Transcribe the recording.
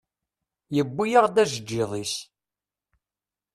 Yewwi-yaɣ-d ajeǧǧiḍ-is.